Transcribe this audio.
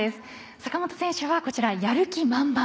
坂本選手は、「やる気満々」。